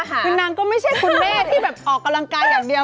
คือนางก็ไม่ใช่คุณแม่ที่แบบออกกำลังกายอย่างเดียว